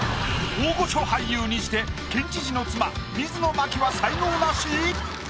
大御所俳優にして県知事の妻水野真紀は才能ナシ？